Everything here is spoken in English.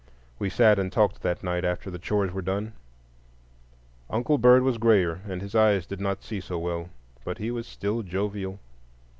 We sat and talked that night after the chores were done. Uncle Bird was grayer, and his eyes did not see so well, but he was still jovial.